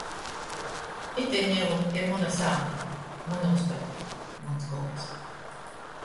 Ite niu ir muna sāta. Muna ustoba. Muns golds.